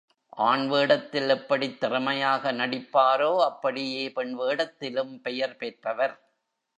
ஆண் வேடத்தில் எப்படித் திறமையாக நடிப்பாரோ அப்படியே பெண் வேடத்திலும் பெயர் பெற்றவர்.